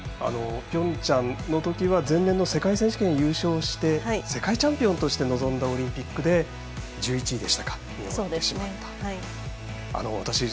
ピョンチャンのときは前年の世界選手権優勝して世界チャンピオンとして臨んだオリンピックで１１位に終わってしまったと。